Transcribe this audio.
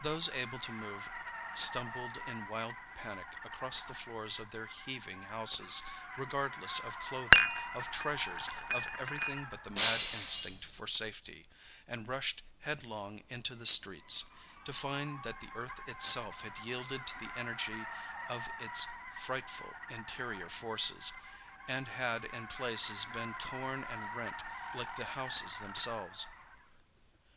Those able to move stumbled in wild panic across the floors of their heaving houses, regardless of clothing, of treasures, of everything but the mad instinct for safety, and rushed headlong into the streets, to find that the earth itself had yielded to the energy of its frightful interior forces and had in places been torn and rent like the houses themselves.